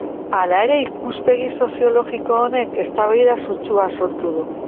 Hala ere ikuspegi zoologiko honek eztabaida sutsua sortu du.